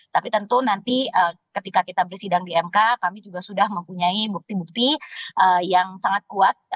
tapi tentu nanti ketika kita bersidang di mk kami juga sudah mempunyai bukti bukti yang sangat kuat